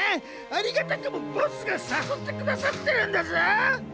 ありがたくもボスがさそってくださってるんだぞ。